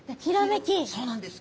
そうなんです。